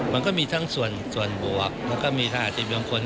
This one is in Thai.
มันก็มีทั้งส่วนบวกมันก็มีทหารทีปลวงควร